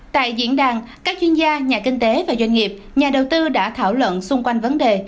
tại diễn đàn các chuyên gia nhà kinh tế và doanh nghiệp nhà đầu tư đã thảo luận xung quanh vấn đề